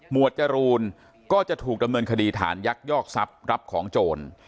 วดจรูนก็จะถูกดำเนินคดีฐานยักยอกทรัพย์รับของโจร